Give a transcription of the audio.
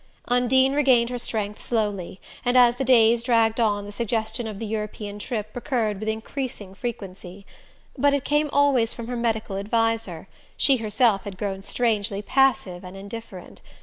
Undine regained her strength slowly, and as the days dragged on the suggestion of the European trip recurred with increasing frequency. But it came always from her medical adviser: she herself had grown strangely passive and indifferent.